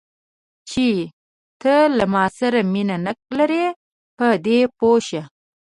چې ته له ما سره مینه نه لرې، په دې پوه شه.